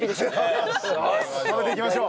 食べていきましょう。